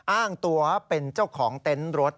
อ้างตัวเป็นเจ้าของเต็นต์รถ